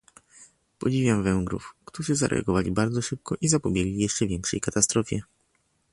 Podziwiam Węgrów, którzy zareagowali bardzo szybko i zapobiegli jeszcze większej katastrofie